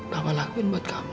bapak lakuin buat kamu